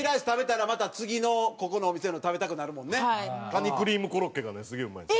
カニクリームコロッケがねすげえうまいんです。